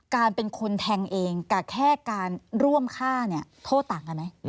การเป็นคนแทงเองกับแค่การร่วมฆ่าเนี่ยโทษต่างกันไหม